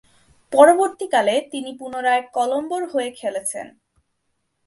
পরবর্তীকালে, তিনি পুনরায় কলম্বোর হয়ে খেলেছেন।